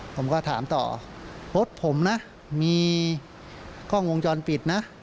ผมก็ถามต่อรถผมนะมีกล้องวงจรปิดนะ